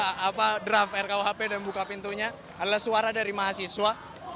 nah ini teman teman draft rkuhp dan buka pintunya adalah suara dari mahasiswa